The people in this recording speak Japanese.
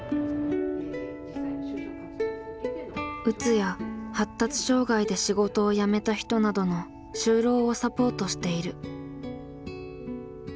うつや発達障害で仕事を辞めた人などの就労をサポートしている。